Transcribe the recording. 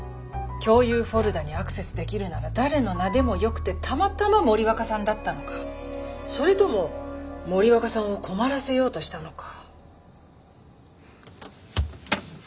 共有フォルダーにアクセスできるなら誰の名でもよくてたまたま森若さんだったのかそれとも森若さんを困らせようとしたのか。